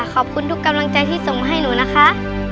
ขอบคุณทุกกำลังใจที่ส่งมาให้หนูนะคะ